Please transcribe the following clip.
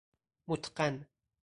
متقن